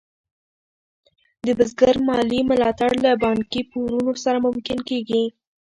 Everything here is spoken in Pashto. د بزګر مالي ملاتړ له بانکي پورونو سره ممکن کېږي.